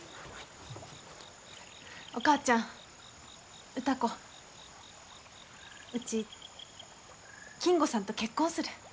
お母ちゃん歌子うち金吾さんと結婚する。